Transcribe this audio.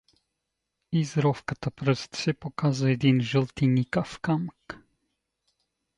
Из ровката пръст се показа един жълтеникав камък.